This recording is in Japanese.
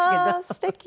すてき。